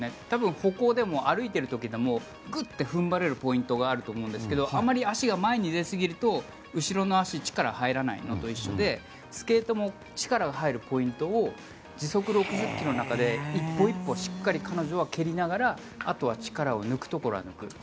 多分、歩行でも歩いている時でもグッと踏ん張れるポイントがあると思うんですけどあまり足が前に出すぎると後ろの足に力が入らないのと一緒でスケートも力が入るポイントを時速６０ｋｍの中で１歩１歩しっかり彼女は蹴りながらあとは力を抜くところは抜く。